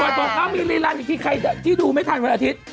ส่วนบอกว่ามีรีลันอีกที่ดูไม่ทันวันอาทิตย์